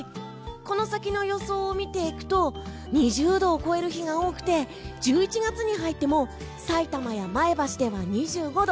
この先の予想を見ていくと２０度を超える日が多くて１１月に入ってもさいたまや前橋では２５度。